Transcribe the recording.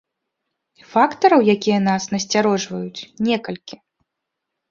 Фактараў, якія нас насцярожваюць, некалькі.